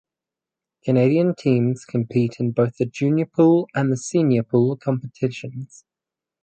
Canadian teams compete in both the Junior Pool and the Senior Pool competitions.